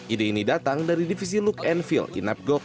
ide ini datang dari divisi luke enfield inapgoc